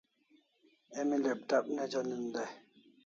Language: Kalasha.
Emi laptop ne jonin dai